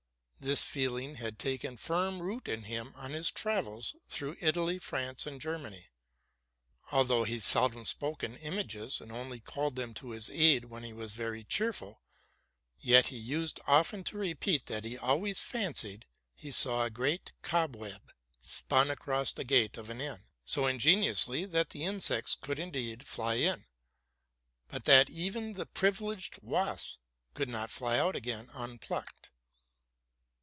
This feeling had taken firm root in him on his travels through Italy, France, and Ger many. Although he seldom spoke in images, and only called them to his aid when he was very cheerful, yet he used often to repeat that he always fancied he saw a great cobweb spun across the gate of an inn, so ingeniously that the insects could indeed fly in, but that even the privileged wasps could not fly out again unplucked.